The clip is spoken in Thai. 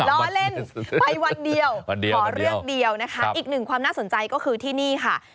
ล้อเล่นไปวันเดียวขอเรื่องเดียวนะคะอีกหนึ่งความน่าสนใจก็คือที่นี่ค่ะ